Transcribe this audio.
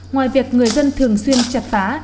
ngoài việc người dân thường xuyên chặt phá